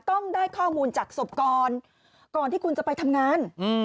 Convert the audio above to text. ต้องได้ข้อมูลจากสบก่อนที่คุณจะไปทำงาน